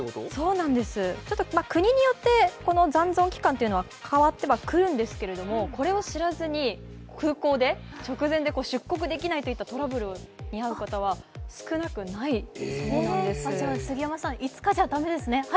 国によって残存期間というのは変わってはくるんですけど、これを知らずに空港で直前で出国できないというトラブルに遭う方は杉山さん、５日じゃだめですね。